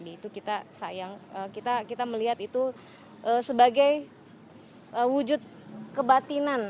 itu kita sayang kita melihat itu sebagai wujud kebatinan